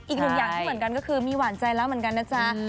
อีกหนึ่งอย่างที่เหมือนกันก็คือมีหวานใจแล้วเหมือนกันนะจ๊ะ